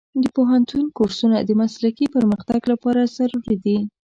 د پوهنتون کورسونه د مسلکي پرمختګ لپاره ضروري دي.